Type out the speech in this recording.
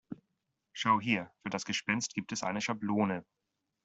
Schau hier, für das Gespenst gibt es eine Schablone.